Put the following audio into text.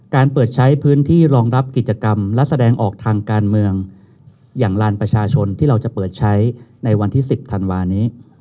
การเปิดใช้พื้นที่รองรับกิจกรรมและแสดงออกทางการเมืองอย่างลานประชาชนที่เราจะเปิดใช้ในวันที่๑๐ธันวานี้